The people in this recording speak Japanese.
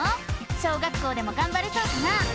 小学校でもがんばれそうかな？